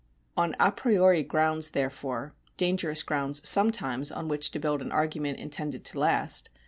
On a priori grounds, therefore, (dangerous grounds sometimes on which to build an aroaiment intended to o last